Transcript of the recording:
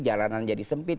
jadi jalanan jadi sempit